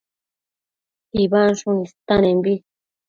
tsibansshun istanembi